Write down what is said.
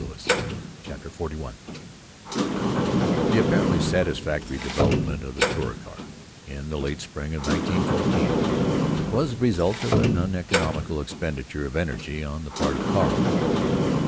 CHAPTER XLI he apparently satisfactory development of the Touricar in the late spring of 1914 was the result of an uneconomical expenditure of energy on the part of Carl.